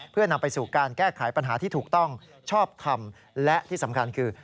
เพื่อนำไปสู่การแก้ไขปัญหาที่ถูกต้องชอบทำและที่สำคัญคือ